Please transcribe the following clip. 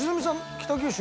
北九州